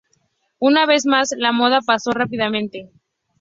Una vez más, la moda pasó rápidamente.